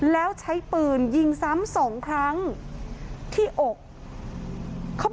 แล้วใช้ปืนยิงซ้ำสองครั้งที่อก